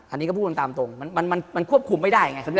อันนี้ก็พูดกันตามตรงมันควบคุมไม่ได้ไง